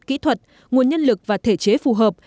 kỹ thuật nguồn nhân lực và thể chế phù hợp